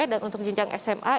dan untuk jinjang sma